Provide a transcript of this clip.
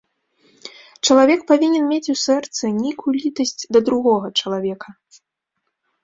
Чалавек павінен мець у сэрцы нейкую літасць да другога чалавека.